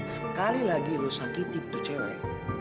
sekali lagi lo sakitin tuh cewek